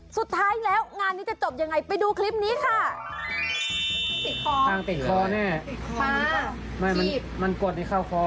สุดท้ายแล้วงานนี้จะจบยังไงไปดูคลิปนี้ค่ะ